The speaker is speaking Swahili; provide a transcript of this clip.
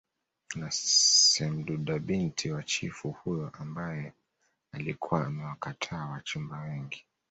na semdudabinti wa chifu huyo ambaye alikuwa amewakataa wachumba wengi